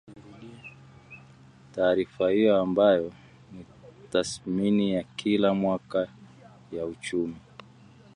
Taarifa hiyo ambayo ni tathmini ya kila mwaka ya uchumi